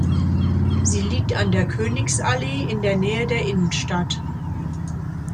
Sie liegt an der "Königsallee" in der Nähe der Innenstadt.